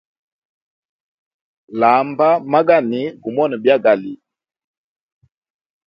Lamba magani gumone byagali.